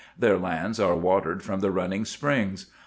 Their lands are watered from the running springs.